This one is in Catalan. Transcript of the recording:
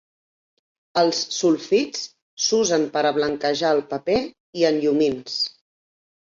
Els sulfits s'usen per a blanquejar el paper i en llumins.